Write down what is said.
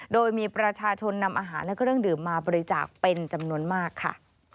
โดยมีประชาชนนำอาหารและเครื่องดื่มมาบริจาคเป็นจำนวนมากค่ะ